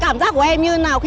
cảm giác của em như thế nào